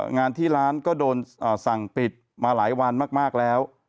งานที่ร้านก็โดนสั่งปิดมาหลายวันมากแล้ว